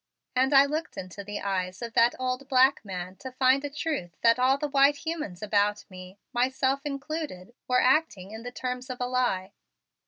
And I looked into the eyes of that old black man to find a truth that all the white humans about me, myself included, were acting in the terms of a lie.